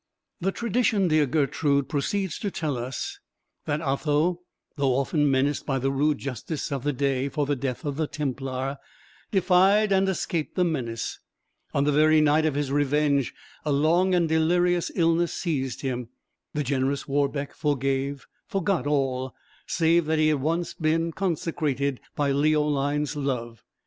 The tradition, dear Gertrude, proceeds to tell us that Otho, though often menaced by the rude justice of the day for the death of the Templar, defied and escaped the menace. On the very night of his revenge a long and delirious illness seized him; the generous Warbeck forgave, forgot all, save that he had been once consecrated by Leoline's love.